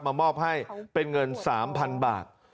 มามอบให้เป็นเงิน๓๐๐๐บาท